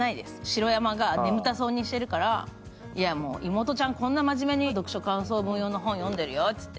白山が眠たそうにしてるから、妹ちゃん、こんな真面目に読書感想文用の本読んでるよって。